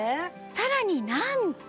さらになんと。